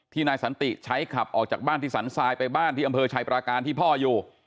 นายสันติใช้ขับออกจากบ้านที่สันทรายไปบ้านที่อำเภอชัยปราการที่พ่ออยู่